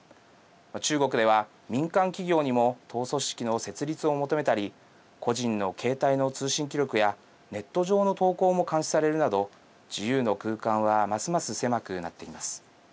中国では、民間企業にも党組織の設立を求めたり個人の携帯の通信記録やネット上の投稿も監視されるなど自由の空間はますます狭くなっています。